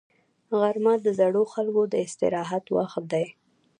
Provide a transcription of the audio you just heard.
غرمه د زړو خلکو د استراحت وخت دی